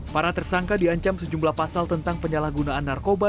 para tersangka diancam sejumlah pasal tentang penyalahgunaan narkoba